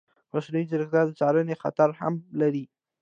مصنوعي ځیرکتیا د څارنې خطر هم لري.